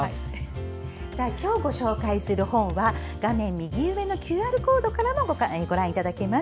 今日ご紹介する本は画面右上のＱＲコードからもご覧いただけます。